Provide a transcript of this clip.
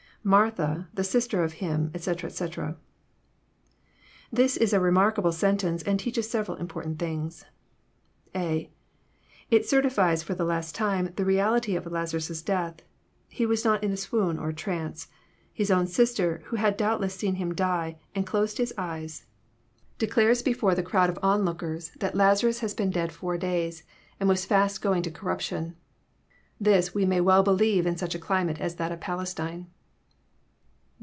IMartha, t?^ sister of him, etc., etc."] This is a remarkable sentence, and teaches several important th'ngs. (a) It certifies, for the last time, the reality of Lazarus' death. He was not in a swoon or a trance. His own sister, who had doubtless seen him die, and closed his eyes, declares before JOHN, CHAP. XI. 283 the crowd of lookers on, that Lazams had been dead fonr days, and was fast going to corraption. This we may well believe in such a climate as that of Palestine.